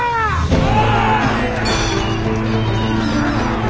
お！